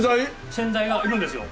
先代がいるんですよ。